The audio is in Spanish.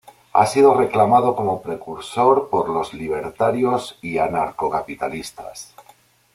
Ha sido reclamado como precursor por los libertarios y anarcocapitalistas.